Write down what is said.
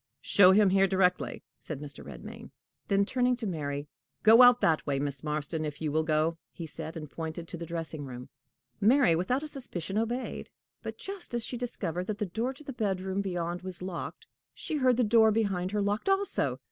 "Show him here directly," said Mr. Redmain. Then turning to Mary, "Go out that way, Miss Marston, if you will go," he said, and pointed to the dressing room. Mary, without a suspicion, obeyed; but, just as she discovered that the door into the bedroom beyond was locked, she heard the door behind her locked also.